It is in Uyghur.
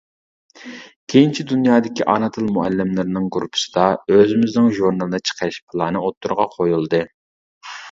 كېيىنچە دۇنيادىكى ئانا تىل مۇئەللىملىرىنىڭ گۇرۇپپىسىدا ئۆزىمىزنىڭ ژۇرنىلىنى چىقىرىش پىلانى ئوتتۇرىغا قويۇلدى.